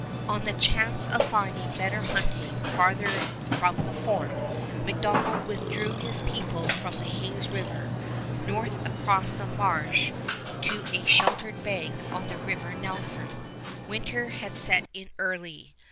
On the chance of finding better hunting farther from the fort, MacDonell withdrew his people from Hayes River, north across the marsh to a sheltered bank of the River Nelson. Winter had set in early.